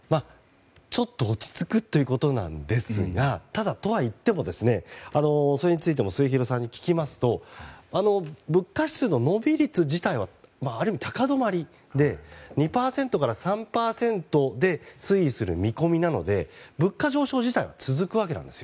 ちょっと落ち着くということなんですがただ、とはいってもそれについても末廣さんに聞きますと物価指数の伸び率自体はある意味、高止まりで２％から３％で推移する見込みなので物価上昇自体は続くわけなんです。